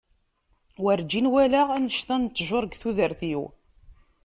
Werǧin walaɣ annect-a n ttjur deg tudert-iw.